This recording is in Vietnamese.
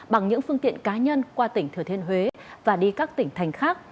bằng những phương tiện cá nhân qua tỉnh thừa thiên huế và đi các tỉnh thành khác